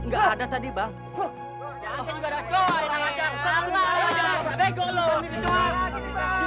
kejar dong pak lihat aja semua nih